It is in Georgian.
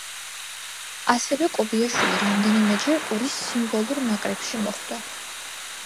ასევე, კობიაშვილი რამდენიმეჯერ ტურის სიმბოლურ ნაკრებში მოხვდა.